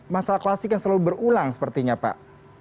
masalah klasik yang selalu berulang sepertinya pak